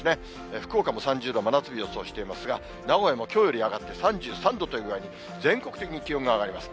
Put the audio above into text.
福岡も３０度、真夏日を予想していますが、名古屋もきょうより上がって３３度という具合に、全国的に気温が上がります。